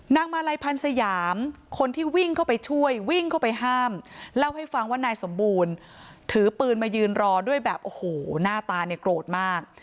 มาลัยพันธ์สยามคนที่วิ่งเข้าไปช่วยวิ่งเข้าไปห้ามเล่าให้ฟังว่านายสมบูรณ์ถือปืนมายืนรอด้วยแบบโอ้โหหน้าตาเนี่ยโกรธมาก